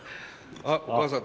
あお母さん。